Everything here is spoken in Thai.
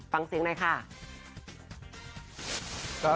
ฟังเสียงหน่อยค่ะ